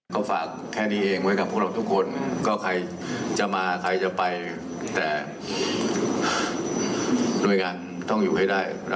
ก่อนไปของสหรับครอบครัวก็ปลอดภัยเน่าสิ่งที่สามารถส่งให้แล้ว